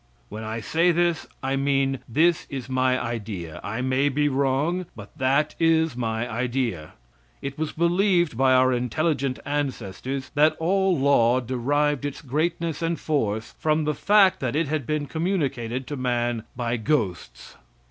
When I say this, I mean this is my idea. I may be wrong, but that is my idea. It was believed by our intelligent ancestors that all law derived its greatness and force from the fact that it had been communicated to man by ghosts.